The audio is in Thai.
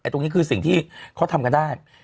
ตรงนี้คือสิ่งที่เขาทำกันได้